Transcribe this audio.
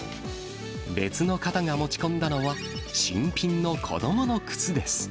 別の方が持ち込んだのは、新品の子どもの靴です。